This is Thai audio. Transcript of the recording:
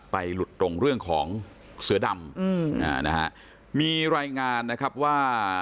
หลุดตรงเรื่องของเสือดำอืมอ่านะฮะมีรายงานนะครับว่า